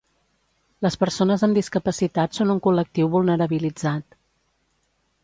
Les persones amb discapacitat són un col·lectiu vulnerabilitzat.